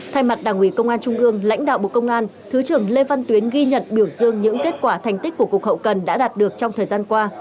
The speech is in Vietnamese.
thay mặt đảng ủy công an trung ương lãnh đạo bộ công an thứ trưởng lê văn tuyến ghi nhận biểu dương những kết quả thành tích của cục hậu cần đã đạt được trong thời gian qua